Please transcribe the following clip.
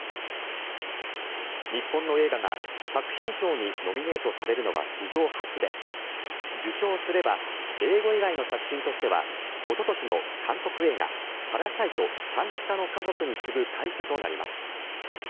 日本の映画が作品賞にノミネートされるのは史上初で受賞すれば英語以外の作品としてはおととしの韓国映画「パラサイト半地下の家族」に次ぐ快挙となります。